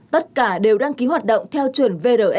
tất cả đều đăng ký hoạt động theo chuẩn